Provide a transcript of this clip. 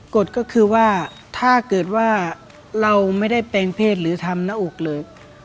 กฎก็คือว่าถ้าเกิดว่าเราไม่ได้แปลงเพศหรือทำหน้าอกเลย